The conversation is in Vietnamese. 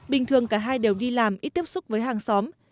bình thường cả hai đều đi làm ít tiếp xúc với hàng xóm